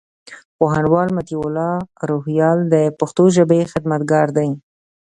پوهنوال مطيع الله روهيال د پښتو ژبي خدمتګار دئ.